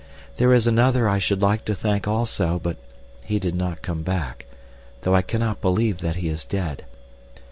There is another I should like to thank also, but he did not come back, though I cannot believe that he is dead.